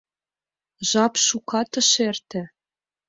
Жап шукат ыш эрте.